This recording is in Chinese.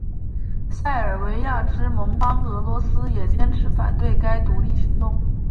塞尔维亚之盟邦俄罗斯也坚持反对该独立行动。